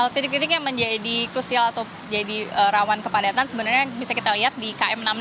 titik titik yang menjadi krusial atau jadi rawan kepadatan sebenarnya bisa kita lihat di km enam puluh lima